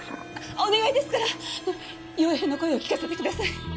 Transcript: お願いですから陽平の声を聞かせてください。